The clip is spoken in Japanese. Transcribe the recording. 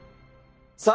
さあ